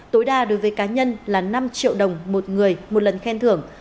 tối đa đối với cá nhân là năm triệu đồng một người một lần khen thưởng